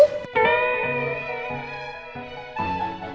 ada urusan orang dewasa apa sih